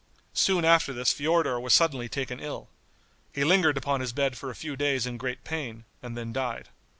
Soon after this Feodor was suddenly taken ill. He lingered upon his bed for a few days in great pain, and then died.